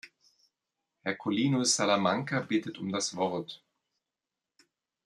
Herr Colino Salamanca bittet um das Wort.